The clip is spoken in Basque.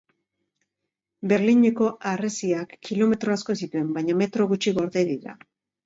Berlineko harresiak kilometro asko zituen baina metro gutxi gorde dira.